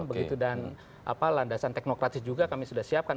begitu dan landasan teknokratis juga kami sudah siapkan